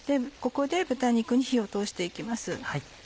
ここで豚肉に火を通して行きます。